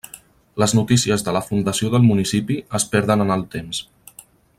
Les notícies de la fundació del municipi es perden en el temps.